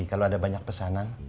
kalau ada banyak pesanan